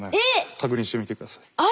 確認してみて下さい。